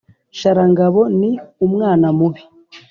Sharangabo ni umwana mubi